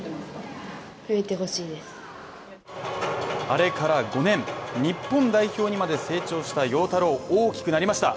あれから５年、日本代表にまで成長した陽太郎は大きくなりました